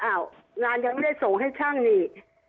งานยังไม่ได้ส่งให้ช่างนี่